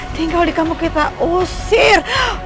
tinggal di kampung kita usir